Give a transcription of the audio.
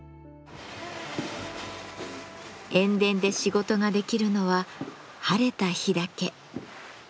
塩田で仕事ができるのは晴れた日だけ。